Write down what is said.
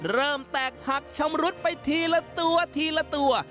เริ่มแตกหักชำรุดไปทีละตัวทีละตัว